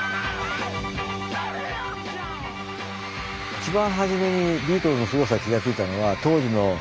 一番初めにビートルズのすごさに気が付いたのは当時の少女ですよね。